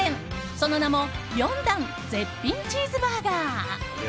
その名も４‐ｄａｎ絶品チーズバーガー。